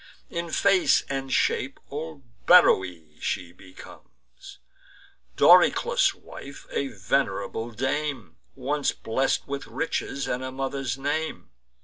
In face and shape old Beroe she became, Doryclus' wife, a venerable dame, Once blest with riches, and a mother's name.